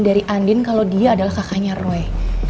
dari andin kalau dia adalah kakaknya roy